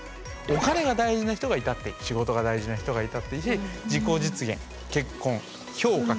お金が大事な人がいたって仕事が大事な人がいたっていいし自己実現結婚評価